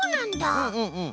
うんうんうん。